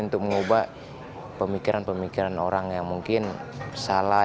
untuk mengubah pemikiran pemikiran orang yang mungkin salah